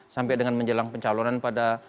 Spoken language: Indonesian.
sampai dengan menjelang pencalonan pada